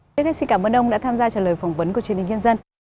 xin cảm ơn ông đã tham gia trả lời phỏng vấn của truyền hình nhân dân